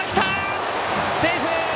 セーフ！